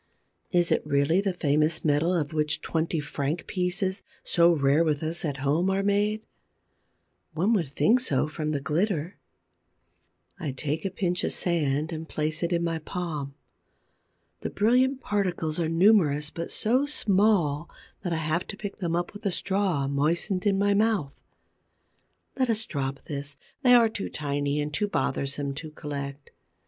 Is it really the famous metal of which twenty franc pieces, so rare with us at home, are made? One would think so, from the glitter. [Illustration: "I think of the king's crown, of the princesses' necklace."] I take a pinch of sand and place it in my palm. The brilliant particles are numerous, but so small that I have to pick them up with a straw moistened in my mouth. Let us drop this: they are too tiny and too bothersome to collect.